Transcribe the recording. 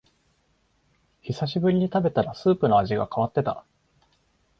久しぶりに食べたらスープの味が変わってた